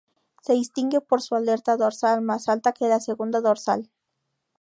Se distingue por su aleta dorsal más alta que la segunda dorsal.